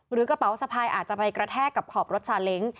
กระเป๋าสะพายอาจจะไปกระแทกกับขอบรถซาเล้ง